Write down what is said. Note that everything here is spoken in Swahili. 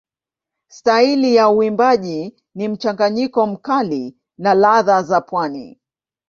Staili ya uimbaji ni mchanganyiko mkali na ladha za pwani.